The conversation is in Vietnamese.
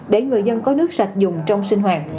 để người dân có nước sạch dùng trong sinh hoạt